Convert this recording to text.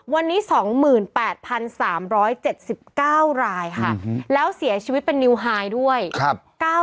วันนี้๒๘๓๗๙รายค่ะแล้วเสียชีวิตเป็นนิวไฮด้วย